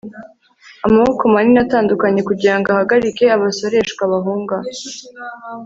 amaboko manini atandukanye kugirango ahagarike abasoreshwa bahunga